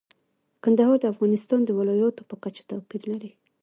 کندهار د افغانستان د ولایاتو په کچه توپیر لري.